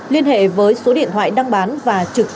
liên hệ với số điện thoại đăng bán và trực tiếp